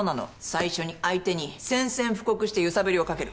最初に相手に宣戦布告して揺さぶりをかける。